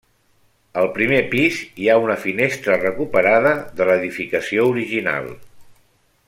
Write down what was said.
Al primer pis hi ha una finestra recuperada de l'edificació original.